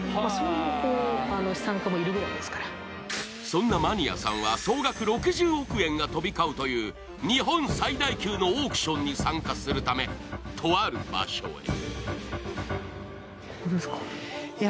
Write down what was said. そんなマニアさんは総額６０億円が飛び交うという日本最大級のオークションに参加するため、とある場所へ。